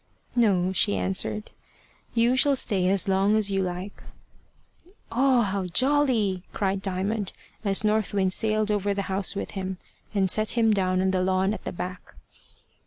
"No," she answered; "you shall stay as long as you like." "Oh, how jolly," cried Diamond, as North Wind sailed over the house with him, and set him down on the lawn at the back.